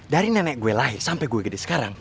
dari nenek gue lahir sampai gue gini sekarang